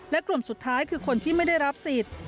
และกลุ่มสุดท้ายคือคนที่ไม่ได้รับสิทธิ์